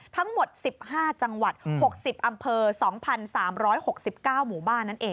ทั้งหมด๑๕จังหวัด๖๐อำเภอ๒๓๖๙หมู่บ้านนั่นเอง